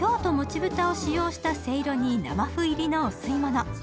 豚を使用したせいろに生麩入りのお吸い物。